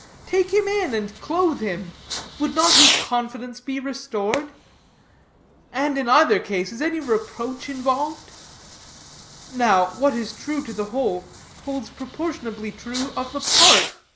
Take him in and clothe him; would not his confidence be restored? And in either case, is any reproach involved? Now, what is true of the whole, holds proportionably true of the part.